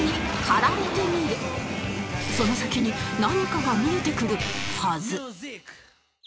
その先に何かが見えてくるはず